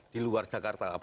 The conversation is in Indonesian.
di luar jakarta